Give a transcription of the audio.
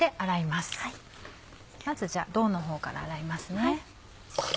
まず胴のほうから洗いますね。